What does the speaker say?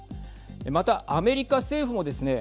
また、アメリカ政府もですね